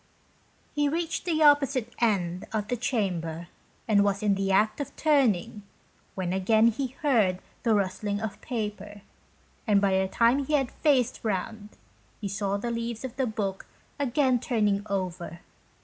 He reached the opposite end of the chamber and was in the act of turning, when again he heard the rustling of paper, and by the time he had faced round, saw the leaves of the book again turning over.